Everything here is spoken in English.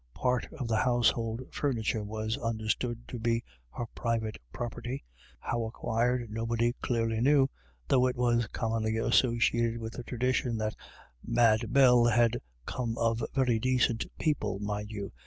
Part of the household furniture was understood to be her private property, how acquired nobody clearly knew, though it was commonly associated with the tradition that " Mad Bell had come of very dacint people, mind you."